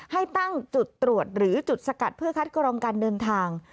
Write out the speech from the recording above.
ให้ตั้งจุดตรวจหรือจุดสกัดเพื่อคัดกรองการเดินทาง